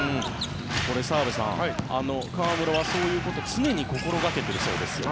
澤部さん河村はそういうことを常に心掛けているそうです。